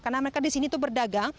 karena mereka di sini itu berdagang